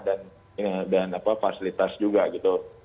dan fasilitas juga gitu